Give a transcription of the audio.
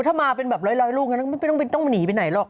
ถ้ามาเป็นแบบร้อยลูกไม่ต้องหนีไปไหนหรอก